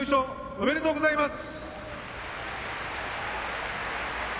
おめでとうございます。